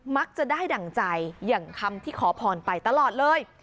มักจะได้ดั่งใจอย่างคำที่ขอพรไปตลอดเลย